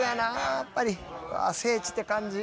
やっぱりうわ聖地って感じ。